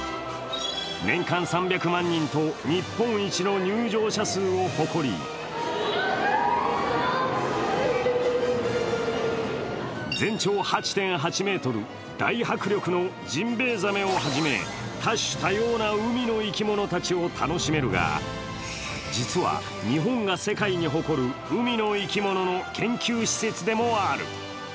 年間３００万人と日本一の入場者数を誇り全長８．８ｍ、大迫力のジンベエザメをはじめ多種多様な海の生き物たちを楽しめるが、実は日本が世界に誇る海の生き物の研究施設でもある。